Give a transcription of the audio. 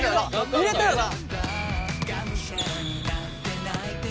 入れたよな！